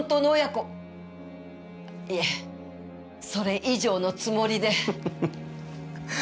いえそれ以上のつもりで。